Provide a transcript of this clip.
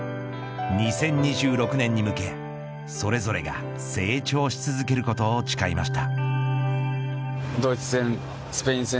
２０２６年に向けそれぞれが成長し続けることを誓いました。